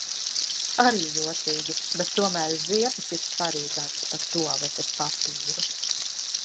Arī jocīgi, bet tomēr ziepes ir svarīgākas par tualetes papīru.